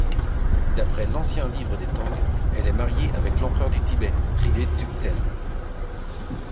D'après l'Ancien Livre des Tang, elle est mariée avec l'Empereur du Tibet Tridé Tsuktsen.